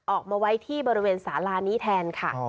ออกมาไว้ที่บริเวณสาลานี้แทนค่ะ